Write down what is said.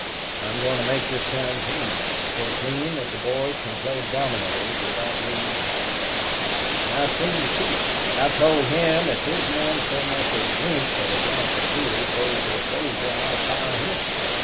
I'm going to make this town clean, so clean that the boys can play dominoes without being laughed at. "And I've seen the Chief. I've told him if his men so much as wink at a glass of beer sold to a soldier, I'll fire him.